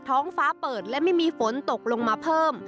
ท้องฟ้าเปิดและไม่มีฝนตกลงมาเพิ่ม